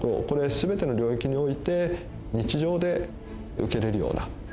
これ全ての領域において日常で受けれるような。